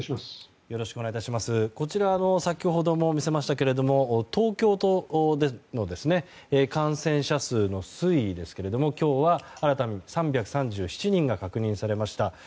こちら先ほども見せましたけども東京都の感染者数の推移ですけれども今日は新たに３３７人が確認されました。